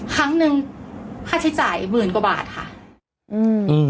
ครั้งหนึ่งค่าใช้จ่ายหมื่นกว่าบาทค่ะอืม